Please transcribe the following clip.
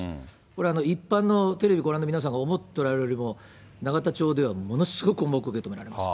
これは一般のテレビご覧の皆さんが思っておられるよりも、永田町ではものすごく重く受け止められます。